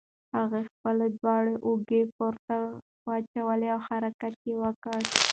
هغه خپلې دواړه اوږې پورته واچولې او حرکت یې وکړ.